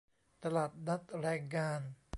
ตลาดนัดแรงงาน